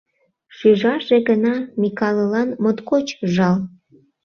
Шӱжарже гына Микалылан моткоч жал.